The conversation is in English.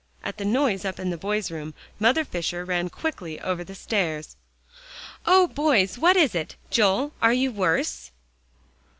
At the noise up in the boys' room, Mother Fisher ran quickly over the stairs. "Oh, boys! what is it? Joel, are you worse?"